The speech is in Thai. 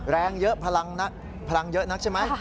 แรงเยอะพลังเยอะนักใช่ไหม